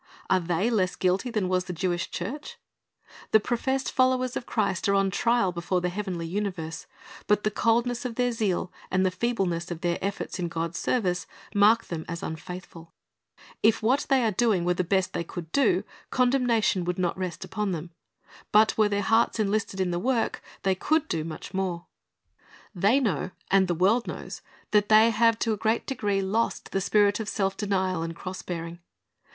"^ Are they less guilty than was the Jewish church? The professed followers of Christ are on trial before the heavenly universe; but the coldness of their zeal and the feebleness of their efforts in God's service, mark them as unfaithful. If what they are doing were the best they could do, condemnation would not rest upon them; but were their hearts enlisted in the work, they could do much more. iMark i6 : 15 304 Christ's Object Lessons They know, and the world knows, that they have to a great degree lost the spirit of self denial and cross bearing.